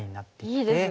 いいですね